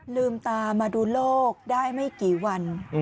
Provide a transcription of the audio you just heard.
ลืมตามาดูโลกได้ไม่กี่วัน